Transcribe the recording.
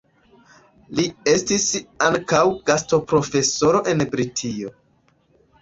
Li estis ankaŭ gastoprofesoro en Britio.